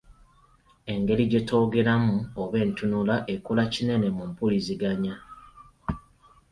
Engeri gye twogeramu oba entunula ekola kinene mumpuliziganya.